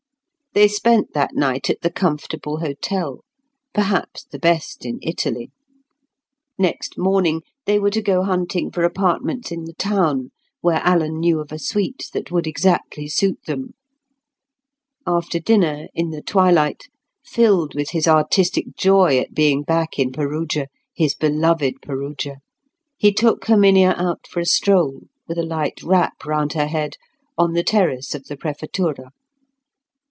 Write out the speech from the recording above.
They spent that night at the comfortable hotel, perhaps the best in Italy. Next morning, they were to go hunting for apartments in the town, where Alan knew of a suite that would exactly suit them. After dinner, in the twilight, filled with his artistic joy at being back in Perugia, his beloved Perugia, he took Herminia out for a stroll, with a light wrap round her head, on the terrace of the Prefettura.